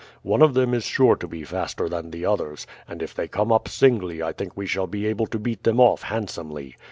One of them is sure to be faster than the others, and if they come up singly I think we shall be able to beat them off handsomely.